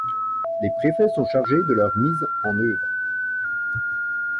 Les préfets sont chargés de leur mise en œuvre.